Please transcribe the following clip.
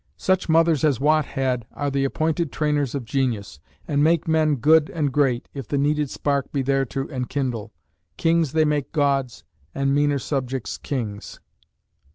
Such mothers as Watt had are the appointed trainers of genius, and make men good and great, if the needed spark be there to enkindle: "Kings they make gods, and meaner subjects kings."